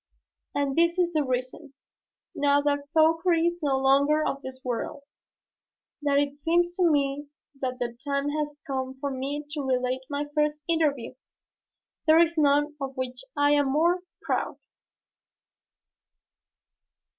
And this is the reason, now that Fauchery is no longer of this world, that it seems to me that the time has come for me to relate my first interview. There is none of which I am more proud.